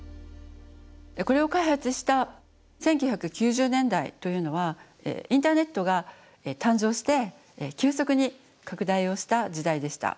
これを開発した１９９０年代というのはインターネットが誕生して急速に拡大をした時代でした。